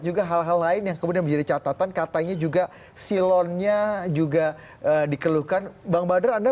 juga hal lain yang kemudian biji catatan katanya juga silonya juga dikeluhkan bang badra anda